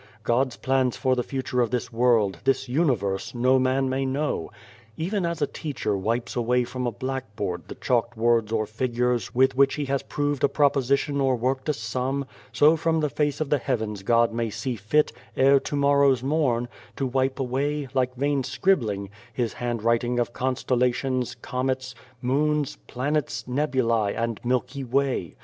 God's plans for the future of this world, this universe, no man may know. Even as a teacher wipes away from a black beard the chalked words or figures with which he has proved a proposition or worked a sum, so from the face of the heavens God may see fit, ere to morrow's morn, to wipe away, like 95 The Face vain scribbling, His handwriting of constella tions, comets, moons, planets, nebulae, and Milky Way.